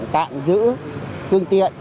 tạm giữ phương tiện